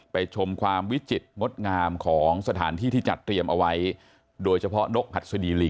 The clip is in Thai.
ไปชมความวิจิตรมดงามของสถานที่ที่จัดเตรียมเอาไว้